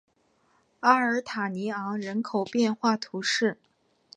阿尔塔尼昂人口变化图示